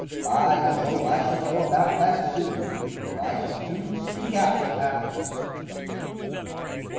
By Jove! I shall know about that soon, for I shall soon speak out to Athos."